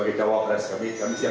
katakan sebagai cowok res kami siap